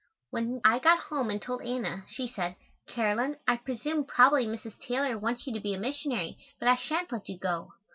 When I got home and told Anna, she said, "Caroline, I presume probably Mrs. Taylor wants you to be a Missionary, but I shan't let you go."